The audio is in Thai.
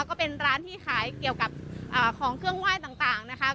ก็เป็นร้านที่ขายเกี่ยวกับของเครื่องไหว้ต่างนะคะ